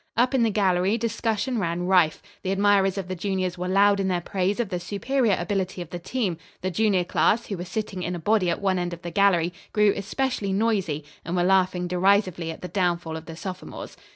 Up in the gallery discussion ran rife. The admirers of the juniors were loud in their praise of the superior ability of the team. The junior class, who were sitting in a body at one end of the gallery, grew especially noisy, and were laughing derisively at the downfall of the sophomores.